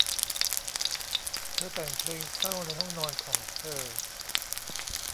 เธอแต่งเพลงเศร้าในห้องนอนของเธอ